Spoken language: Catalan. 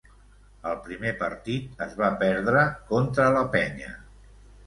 El primer partit es va perdre contra la Penya.